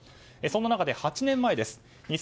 そんな中で８年前です。